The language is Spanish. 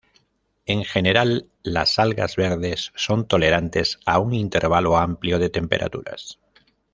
En general las algas verdes son tolerantes a un intervalo amplio de temperaturas.